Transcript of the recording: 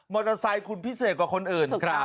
มอเตอร์ไซต์คุณพิเศษกว่าคนอื่น